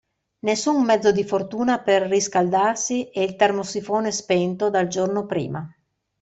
Nessun mezzo di fortuna per riscaldarsi e il termosifone spento dal giorno prima.